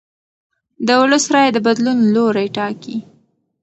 د ولس رایه د بدلون لوری ټاکي